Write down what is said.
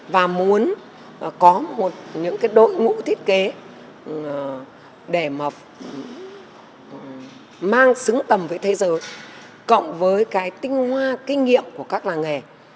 và muốn có một những cái đội ngũ thiết kế để mà mang xứng tầm với thế giới cộng với cái tinh hoa kinh nghiệm của các làng nghề